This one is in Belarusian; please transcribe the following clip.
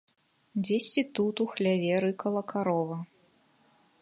Дзесьці тут у хляве рыкала карова.